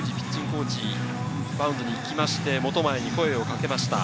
コーチがマウンドに行きまして本前に声をかけました。